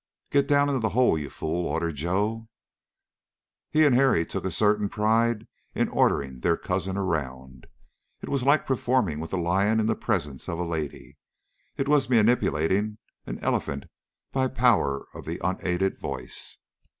"Get down into the hole, you fool!" ordered Joe. He and Harry took a certain pride in ordering their cousin around. It was like performing with a lion in the presence of a lady; it was manipulating an elephant by power of the unaided voice.